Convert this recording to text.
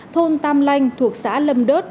thôn tam lanh thuộc xã lâm đớt